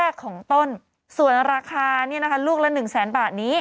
ของต้นส่วนราคาเนี่ยนะคะลูกละหนึ่งแสนบาทนี้